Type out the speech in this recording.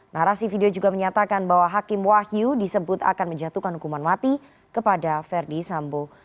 narasi video juga menyatakan bahwa hakim wahyu disebut akan menjatuhkan hukuman mati kepada verdi sambo